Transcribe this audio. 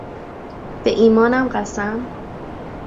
به ایمانم قسم